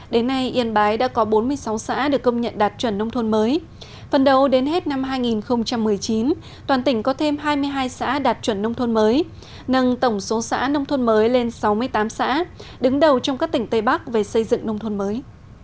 đến nay yên bái đã có bốn mươi sáu xã được công nhận đạt chuẩn nông thôn mới phần đầu đến hết năm hai nghìn một mươi chín toàn tỉnh có thêm hai mươi hai xã đạt chuẩn nông thôn mới nâng tổng số xã nông thôn mới lên sáu mươi tám xã đứng đầu trong các tỉnh tây bắc về xây dựng nông thôn mới